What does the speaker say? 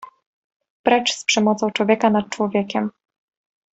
Precz z przemocą człowieka nad człowiekiem!